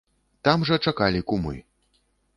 Там жа чакалі кумы.